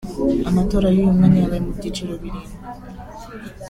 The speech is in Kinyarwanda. Amatora y’uyu mwanya yabaye mu byiciro birindwi